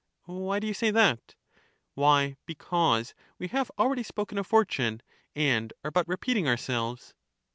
Why do you say that? Why, because we have already spoken of fortune, and are but repeating ourselves.